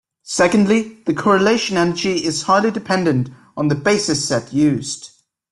Secondly the correlation energy is highly dependent on the basis set used.